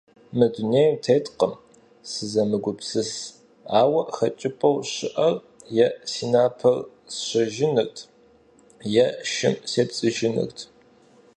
Мы дунейм теттэкъым сызэмыгупсыс, ауэ хэкӀыпӀэу щыӀэр е си напэр сщэжынырт, е шым сепцӀыжынырт.